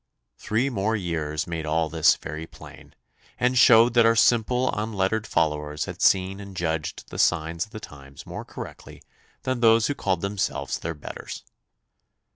Three more years made all this very plain, and showed that our simple unlettered followers had seen and judged the signs of the times more correctly than those who called themselves their betters.